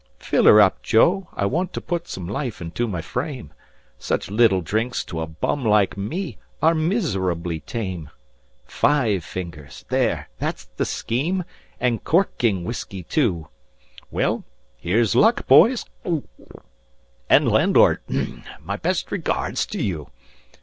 "Fill her up, Joe, I want to put some life into my frame Such little drinks to a bum like me are miserably tame; Five fingers there, that's the scheme and corking whiskey, too. Well, here's luck, boys, and landlord, my best regards to you.